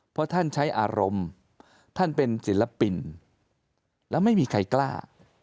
เพราะท่านใช้อารมณ์ท่านเป็นศิลปินแล้วไม่มีใครกล้า